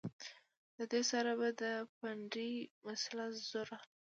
د دې سره به د پنډۍ مسلز زور اخلي